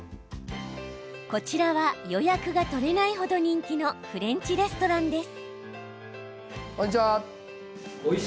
こちらは予約が取れないほど人気のフレンチレストランです。